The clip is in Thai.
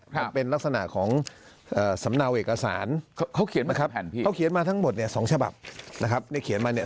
มันเป็นลักษณะของสำเนาเอกสารเขาเขียนมาทั้งหมด๒ฉบับนะครับ